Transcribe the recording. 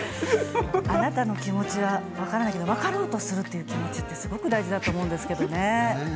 あなたの気持ちは分からないけど分かろうとするという気持ちってすごく大事だと思うんですけどね。